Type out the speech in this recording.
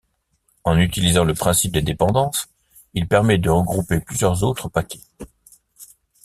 En utilisant le principe des dépendances, il permet de regrouper plusieurs autres paquets.